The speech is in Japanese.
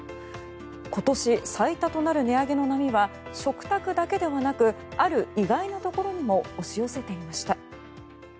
今年最多となる値上げの波は食卓だけではなくある意外なところにも押し寄せていました。